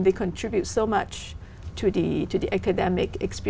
vì chúng ta chắc chắn thích